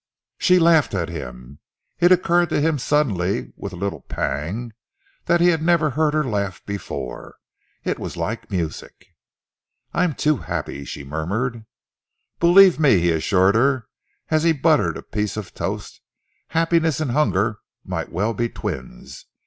She laughed at him. It occurred to him suddenly, with a little pang, that he had never heard her laugh before. It was like music. "I'm too happy," she murmured. "Believe me," he assured her, as he buttered a piece of toast, "happiness and hunger might well be twins.